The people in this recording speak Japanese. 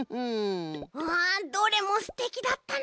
ああどれもすてきだったね。